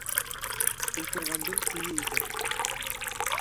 Ултырғандың көйө үтә.